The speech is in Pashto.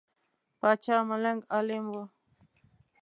پاچا ملنګ عالم وو.